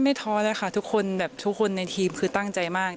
ไม่ท้อนะครับทุกคนทุกคนในทีมคือตั้งใจมาก